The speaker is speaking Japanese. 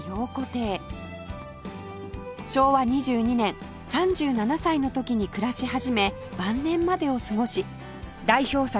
昭和２２年３７歳の時に暮らし始め晩年までを過ごし代表作